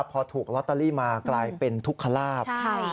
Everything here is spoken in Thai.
พอถูกลอตเตอรี่มากลายเป็นทุกขลาบ